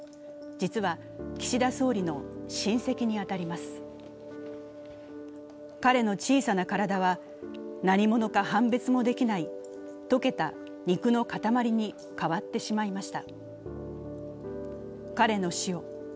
実は、岸田総理の親戚に当たります彼の小さな体は何者か判別もできない溶けた肉の塊に変わってしまいました。